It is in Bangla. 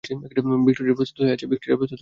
ভিক্টরিয়া প্রস্তুত রয়েছে।